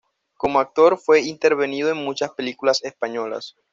Como actor ha intervenido en muchas películas españolas.